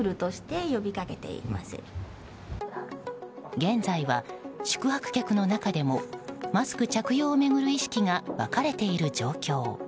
現在は宿泊客の中でもマスク着用を巡る意識が分かれている状況。